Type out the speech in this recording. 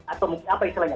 atau mungkin apa istilahnya